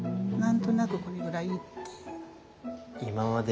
何となくこれぐらいっていう。